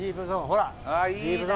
ほら！